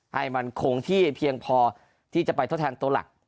ให้มันคงที่เพียงพอที่จะไปทดแทนตัวหลัก